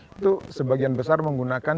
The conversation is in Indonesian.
itu sebagian besar menggunakan